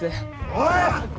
おい！